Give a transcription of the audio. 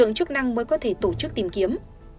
hành khách này khả năng mới có thể tổ chức tìm kiếm